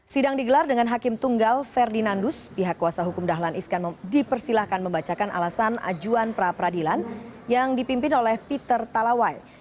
sidang digelar dengan hakim tunggal ferdinandus pihak kuasa hukum dahlan iskan dipersilahkan membacakan alasan ajuan pra peradilan yang dipimpin oleh peter talawai